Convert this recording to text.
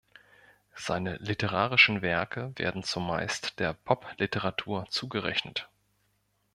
Seine literarischen Werke werden zumeist der Popliteratur zugerechnet.